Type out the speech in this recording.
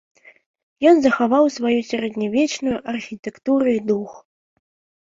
Ён захаваў сваю сярэднявечную архітэктуру і дух.